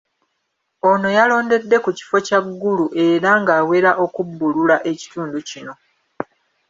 Ono yalondedde ku kifo kya Ggulu era ng’awera okubbulula ekitundu kino.